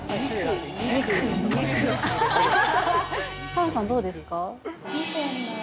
サナさん、どうですか。